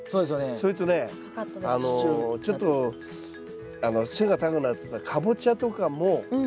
それとねちょっと背が高くなるっていったらカボチャとかも。